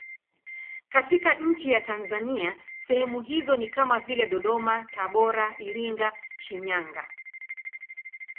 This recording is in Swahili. Katika nchi ya Tanzania sehemu hizo ni kama vile Dodoma, Tabora, Iringa, Shinyanga.